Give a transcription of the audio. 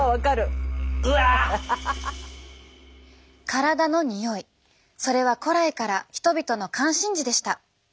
体のにおいそれは古来から人々の関心事でした。